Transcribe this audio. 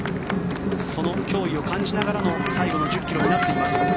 その脅威を感じながらの最後の１０ｋｍになっています。